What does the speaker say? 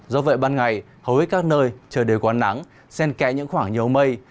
do vậy ban ngày hầu hết các nơi trời đều có nắng sen kẽ những khoảng nhiều mây